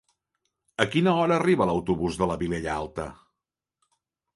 A quina hora arriba l'autobús de la Vilella Alta?